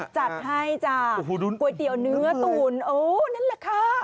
จัดให้จ้ะก๋วยเตี๋ยวเนื้อตุ๋นโอ้นั่นแหละค่ะ